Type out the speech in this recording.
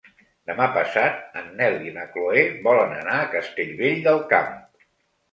Demà passat en Nel i na Chloé volen anar a Castellvell del Camp.